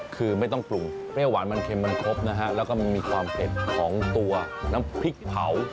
คือไม่ต้องปรุงเปรี้ยวหวานมันเค็มมันครบนะฮะแล้วก็มันมีความเผ็ดของตัวน้ำพริกเผา